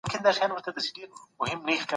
ځوان باید د ژوند تجربه ولري.